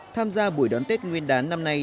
tham gia buổi đón tết nguyên đán năm nay